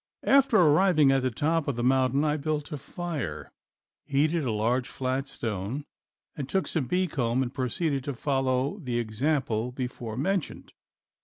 After arriving at the top of the mountain I built a fire, heated a large flat stone and took some bee comb and proceeded to follow the example before mentioned.